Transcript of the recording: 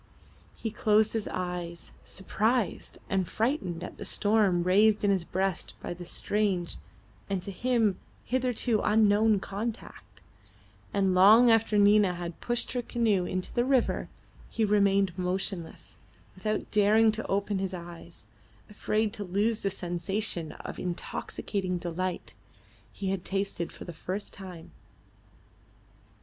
He closed his eyes, surprised and frightened at the storm raised in his breast by the strange and to him hitherto unknown contact, and long after Nina had pushed her canoe into the river he remained motionless, without daring to open his eyes, afraid to lose the sensation of intoxicating delight he had tasted for the first time.